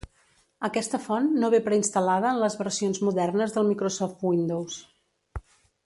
Aquesta font no ve preinstal·lada en les versions modernes del Microsoft Windows.